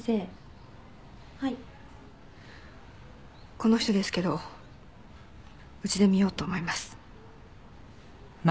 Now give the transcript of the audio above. この人ですけどうちで見ようと思います。